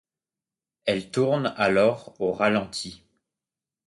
Elle tourne alors au ralenti.